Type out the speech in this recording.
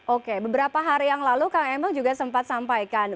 oke beberapa hari yang lalu kang emil juga sempat sampaikan